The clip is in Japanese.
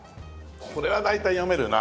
これは大体読めるよな。